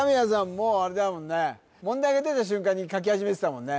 もうあれだもんね問題が出た瞬間に書き始めてたもんね